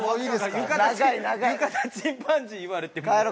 浴衣チンパンジー言われても。